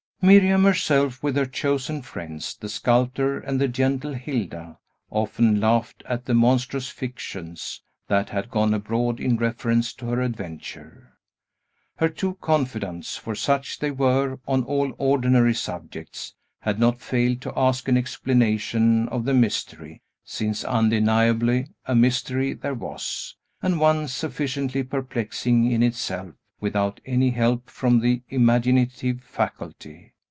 Miriam herself, with her chosen friends, the sculptor and the gentle Hilda, often laughed at the monstrous fictions that had gone abroad in reference to her adventure. Her two confidants (for such they were, on all ordinary subjects) had not failed to ask an explanation of the mystery, since undeniably a mystery there was, and one sufficiently perplexing in itself, without any help from the imaginative faculty.